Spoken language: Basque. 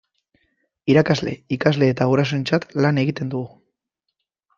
Irakasle, ikasle eta gurasoentzat lan egiten dugu.